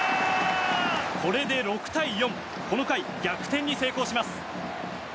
これで６対４この回、逆転に成功します。